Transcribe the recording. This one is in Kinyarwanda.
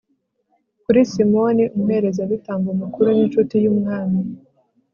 kuri simoni, umuherezabitambo mukuru n'incuti y'umwami